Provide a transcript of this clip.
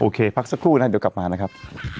เคพักสักครู่นะเดี๋ยวกลับมานะครับ